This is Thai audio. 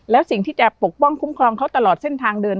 แล้วสิ่งที่จะปกป้องคุ้มครองเขาตลอดเส้นทางเดิน